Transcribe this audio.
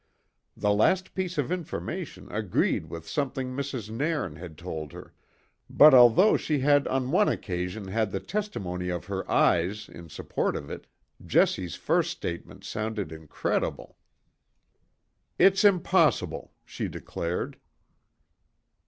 The last piece of information agreed with something Mrs. Nairn had told her; but although she had on one occasion had the testimony of her eyes in support of it, Jessie's first statement sounded incredible. "It's impossible," she declared.